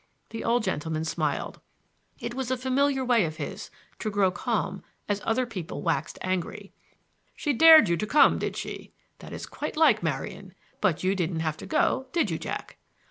The old gentleman smiled. It was a familiar way of his, to grow calm as other people waxed angry. "She dared you to come, did she! That is quite like Marian; but you didn't have to go, did you, Jack?"